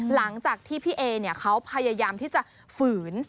หลังจากที่พี่เอเขาพยายามที่จะฝืน